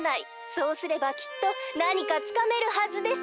そうすればきっとなにかつかめるはずです！」。